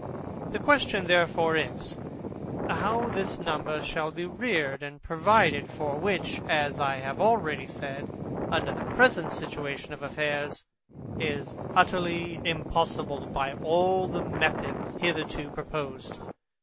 The question therefore is, How this number shall be reared and provided for? which, as I have already said, under the present situation of affairs, is utterly impossible by all the methods hitherto proposed.